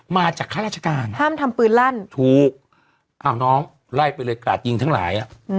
มาจากค่าราชการถูกอ้าวน้องไล่ไปเลยกระดยิงทั้งหลาย